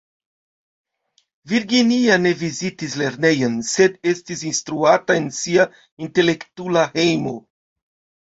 Virginia ne vizitis lernejon, sed estis instruata en sia intelektula hejmo.